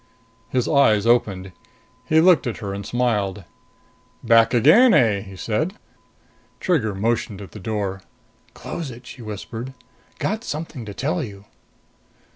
His eyes opened. He looked at her and smiled. "Back again, eh?" he said. Trigger motioned at the door. "Close it," she whispered. "Got something to tell you."